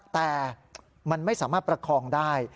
แต่มันไม่สามารถประคองได้